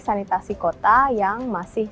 sanitasi kota yang masih